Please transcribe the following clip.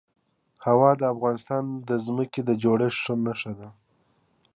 هوا د افغانستان د ځمکې د جوړښت نښه ده.